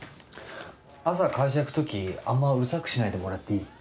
朝会社行くときあんまうるさくしないでもらっていい？